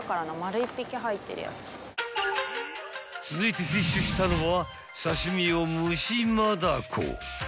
［続いてフィッシュしたのは］